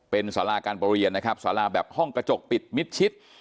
เป็นสาราการประเรียนนะครับสาราแบบห้องกระจกปิดมิดชิด